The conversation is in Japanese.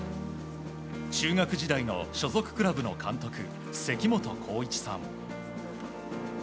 中学時代の所属クラブの監督関本恒一さん。